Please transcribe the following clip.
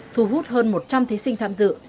thu hút hơn một trăm linh thí sinh tham dự